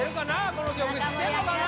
この曲知ってんのかな？